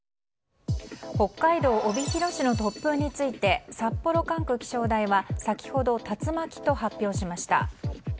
北海道帯広市の突風について札幌管区気象台は先ほど竜巻と発表しました。